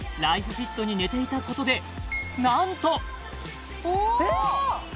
フィットに寝ていたことで何とおっえっ！？